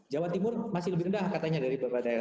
jawa timur masih lebih rendah katanya dari beberapa daerah